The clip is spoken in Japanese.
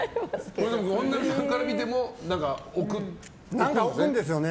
本並さんから見ても置くんですね。